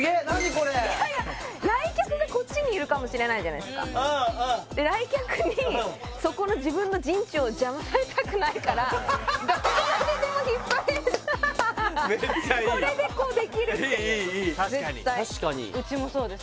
これ来客がこっちにいるかもしれないじゃないすかで来客にそこの自分の陣地を邪魔されたくないからどこまででも引っ張れるハハハッめっちゃいいこれでこうできるっていういいいい確かに確かにうちもそうです